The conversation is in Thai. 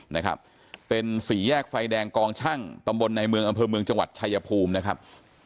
นะครับเป็นสี่แยกไฟแดงกองชั่งตำบลในเมืองอำเภอเมืองจังหวัดชายภูมินะครับ